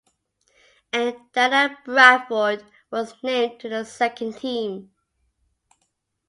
End Dana Bradford was named to the second team.